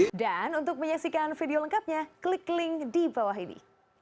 keputusan independen tapi dia saling mengikuti